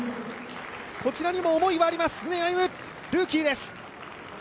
こちらにも思いはあります、畝歩夢、ルーキーです。